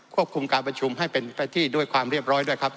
ควบคุมการประชุมให้เป็นไปที่ด้วยความเรียบร้อยด้วยครับ